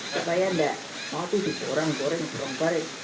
supaya gak mau tuh di goreng goreng